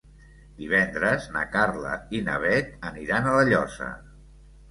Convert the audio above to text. Divendres na Carla i na Bet aniran a La Llosa.